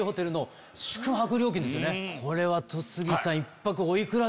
これは戸次さん。